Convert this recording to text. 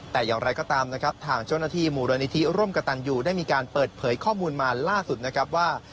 แต่อย่างไรก็ตามนะครับทางเจ้าหน้าที่มูลนิธิร่วมกับตันยูได้มีการเปิดเผยข้อมูลมาล่าสุดนะครับว่า